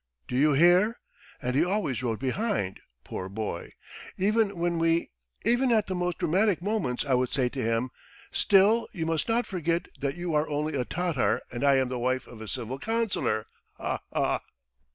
Do you hear!' And he always rode behind, poor boy. ... Even when we ... even at the most dramatic moments I would say to him, 'Still, you must not forget that you are only a Tatar and I am the wife of a civil councillor!' Ha ha. ..."